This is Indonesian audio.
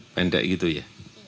pendek gitu ya